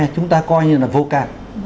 chúng ta coi như là vô cạn